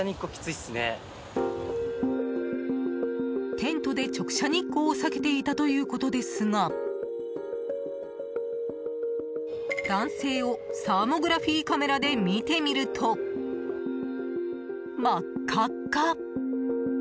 テントで直射日光を避けていたということですが男性をサーモグラフィーカメラで見てみると真っ赤っ赤。